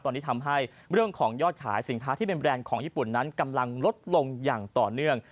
ตอนนี้ทำให้เรื่องของยอดขายสินค้าที่เป็นแบรนด์ของญี่ปุ่นนั้นกำลังลดลงอย่างต่อเนื่อง